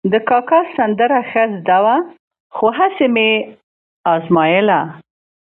د کاکا سندره ښه زده وه، خو هسې مې ازمایله.